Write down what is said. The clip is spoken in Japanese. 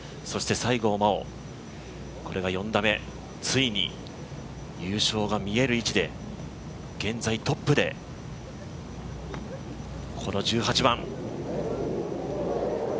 そして西郷真央、これが４打目ついに、優勝が見える位置で現在トップでこの１８番。